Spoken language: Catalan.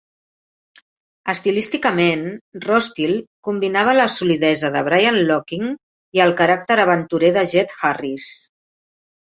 Estilísticament, Rostill combinava la solidesa de Brian Locking i el caràcter aventurer de Jet Harris.